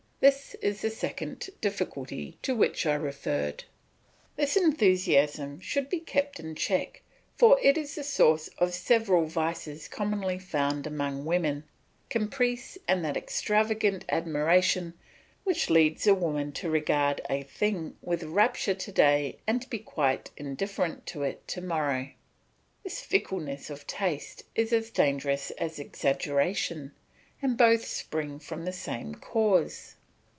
This is the second difficulty to which I referred. This enthusiasm must be kept in check, for it is the source of several vices commonly found among women, caprice and that extravagant admiration which leads a woman to regard a thing with rapture to day and to be quite indifferent to it to morrow. This fickleness of taste is as dangerous as exaggeration; and both spring from the same cause.